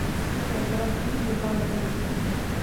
که نبات وي نو پاڼه نه ورکیږي.